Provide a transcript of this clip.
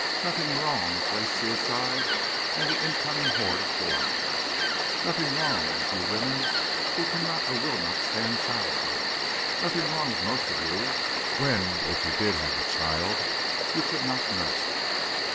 Nothing wrong with race suicide and the incoming horde of foreigners?... Nothing wrong with you women who cannot or will not stand childbirth? Nothing wrong with most of you, when if you did have a child, you could not nurse it?...